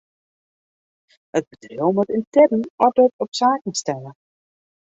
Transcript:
It bedriuw moat yntern oarder op saken stelle.